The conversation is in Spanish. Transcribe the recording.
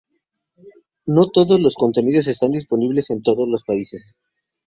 No todos los contenidos están disponibles en todos los países.